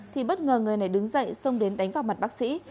thì bất ngờ người này đứng dậy xông đến đánh vào mặt bác sĩ